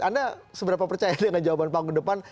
anda seberapa percaya dengan jawaban panggung depan